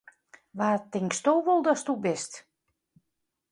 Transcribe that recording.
Wa tinksto wol datsto bist!